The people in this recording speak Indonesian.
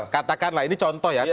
katakanlah ini contoh ya